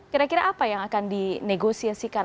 kira kira apa yang akan dinegosiasikan